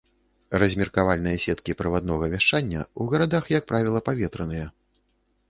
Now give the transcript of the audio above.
Размеркавальныя сеткі праваднога вяшчання ў гарадах, як правіла, паветраныя.